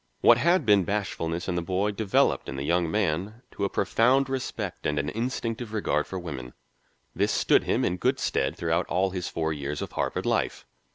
What had been bashfulness in the boy developed in the young man to a profound respect and an instinctive regard for women. This stood him in good stead throughout all his four years of Harvard life.